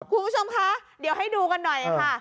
คุณผู้ชมคะเดี๋ยวให้ดูกันหน่อยค่ะ